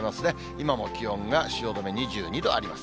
今も気温が汐留２２度あります。